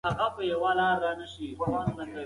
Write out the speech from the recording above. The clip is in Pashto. ټولنیز باور د خلکو د تجربو پایله ده.